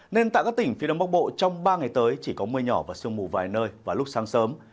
nên tại các tỉnh phía đông bắc bộ trong ba ngày tới chỉ có mưa nhỏ và sương mù vài nơi vào lúc sáng sớm